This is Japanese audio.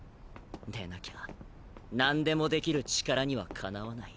でなきゃ「何でも出来る」力には敵わない。